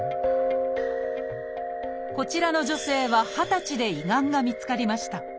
こちらの女性は二十歳で胃がんが見つかりました。